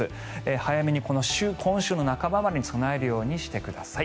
早めに今週の半ばまでに備えるようにしてください。